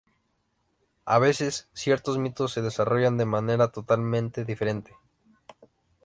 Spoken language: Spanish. A veces, ciertos mitos se desarrollaron de maneras totalmente diferentes.